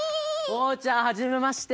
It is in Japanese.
おうちゃんはじめまして！